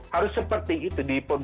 harus seperti itu